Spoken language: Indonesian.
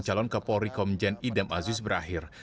calon kapolri komjen idam aziz berakhir